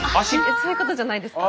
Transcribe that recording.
そういうことじゃないですか？